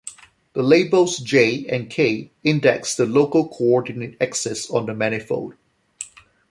The labels "j" and "k" index the local coordinate axes on the manifold.